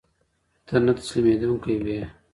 ته نه تسلیمېدونکی و